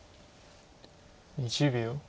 ２０秒。